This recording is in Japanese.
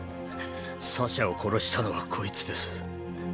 ⁉サシャを殺したのはこいつです。